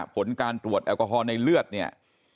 ผลการตรวจแอลกอฮอล์ในเลือดเนี่ย